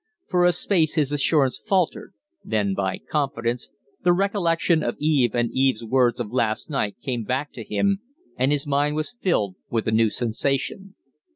For a space his assurance faltered; then, by coincidence, the recollection of Eve and Eve's words of last night came back to him, and his mind was filled with a new sensation.